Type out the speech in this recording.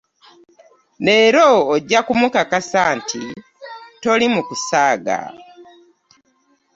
Leero ojja kunkakasa nti toli mu kusaaga.